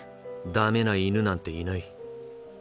ダメな犬なんていない。